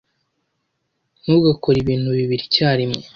Ntugakore ibintu bibiri icyarimwe.